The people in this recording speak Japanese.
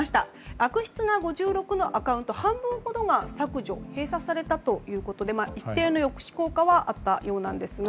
悪質な５６のアカウント半分ほどが削除・閉鎖されたということで一定の抑止効果はあったようなんですが